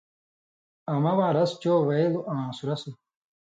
امہ واں رس چو وېلوۡ آں سُرسوۡ،